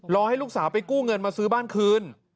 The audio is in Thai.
ให้ลูกสาวไปกู้เงินมาซื้อบ้านคืน